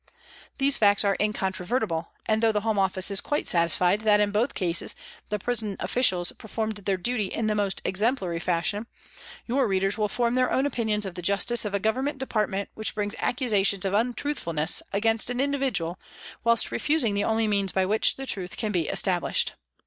" These facts are incontrovertible, and though the Home Office is quite satisfied that in both cases the prison officals performed their duty in the most exemplary fashion, your readers will form their own opinions of the justice of a Government Department which brings accusations of untruthfulness against an individual whilst refusing the only means by which the truth can be established.